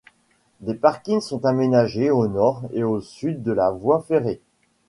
Des parkings sont aménagés au nord et au sud de la voie ferrée.